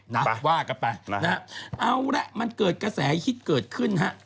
นักว่ากันไปเอาละมันเกิดกระแสหิดเกิดขึ้นนะครับ